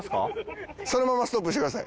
そのままストップしてください。